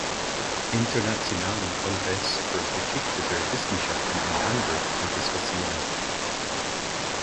Internationalen Kongress für Geschichte der Wissenschaften in Hamburg zur Diskussion.